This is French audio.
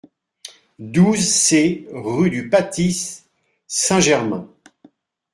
douze C rue du Patis Saint-Germain